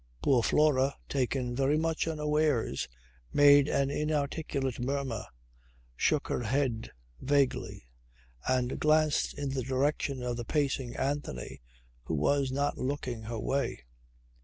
Poor Flora, taken very much unawares, made an inarticulate murmur, shook her head vaguely, and glanced in the direction of the pacing Anthony who was not looking her way.